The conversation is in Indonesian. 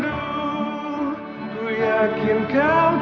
aku jangan berani